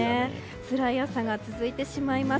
つらい朝が続いてしまいます。